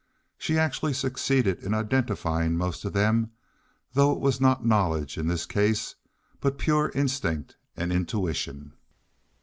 She actually succeeded in identifying most of them, though it was not knowledge in this case, but pure instinct and intuition.